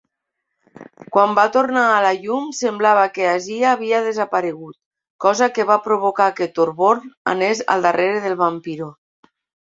Quan va tornar a la llum, semblava que Asya havia desaparegut, cosa que va provocar que Torborg anés al darrere de Vampiro.